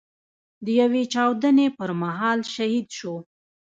د يوې چاودنې پر مهال شهيد شو.